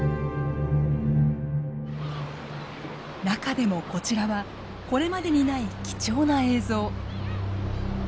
中でもこちらはこれまでにない貴重な映像。